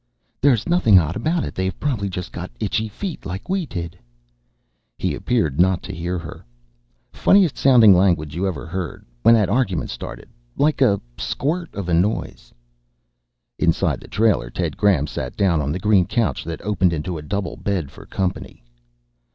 "There's nothing odd about it. They've probably just got itchy feet like we did." He appeared not to hear her. "Funniest sounding language you ever heard when that argument started like a squirt of noise." Inside the trailer, Ted Graham sat down on the green couch that opened into a double bed for company.